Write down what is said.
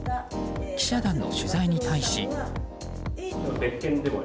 記者団の取材に対し。